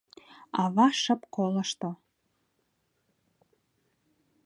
Ава шып колышто.